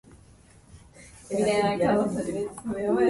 Its parish church is Church of Saint Wilfrid, Standish.